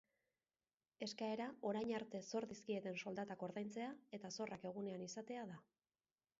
Eskaera orain arte zor dizkieten soldatak ordaintzea eta zorrak egunean izatea da.